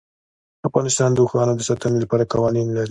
افغانستان د اوښانو د ساتنې لپاره قوانین لري.